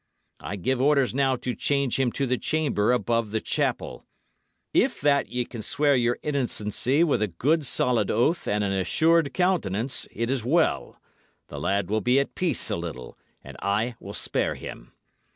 I give orders now to change him to the chamber above the chapel. If that ye can swear your innocency with a good, solid oath and an assured countenance, it is well; the lad will be at peace a little, and I will spare him.